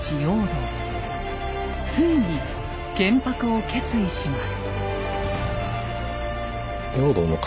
ついに建白を決意します。